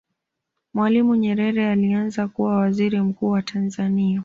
mwalimu nyerere alianza kuwa Waziri mkuu wa tanzania